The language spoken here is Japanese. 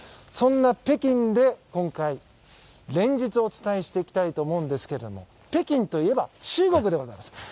そんな北京で、今回連日お伝えしていきたいと思うんですけど北京といえば中国でございます。